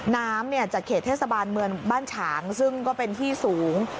น้ำจากเขตเทศบาลเมืองบ้านฉางซึ่งก็เป็นที่สูง